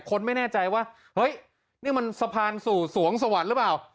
คนไม่แน่ใจว่าเฮ้ยนี่มันสะพานสู่สวงสวรรค์หรือเปล่า